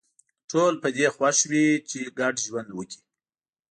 ټول په دې خوښ وي چې ګډ ژوند وکړي